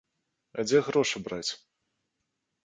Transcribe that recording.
А дзе грошы браць?